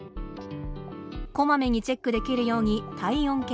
こまめにチェックできるように体温計。